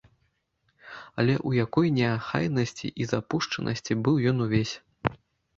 Але ў якой неахайнасці і запушчанасці быў ён увесь!